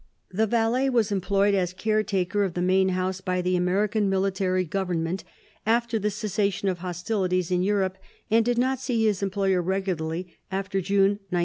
The valet was employed as caretaker of the main house by the American Military Government after the cessation of hostilities in Europe, and did not see his employer regularly after June 1945.